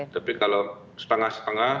tapi kalau setengah setengah